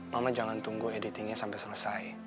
mama jangan tunggu editingnya sampai selesai